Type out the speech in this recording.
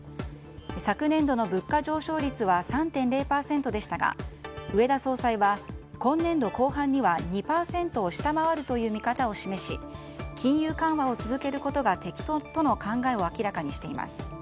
昨年度の物価上昇率は３．０％でしたが植田総裁は、今年度後半には２％を下回るという見方を示し金融緩和を続けることが適当との考えを明らかにしています。